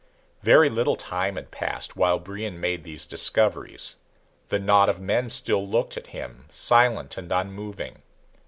Very little time had passed while Brion made these discoveries. The knot of men still looked at him, silent and unmoving.